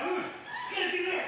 しっかりしてくれ！」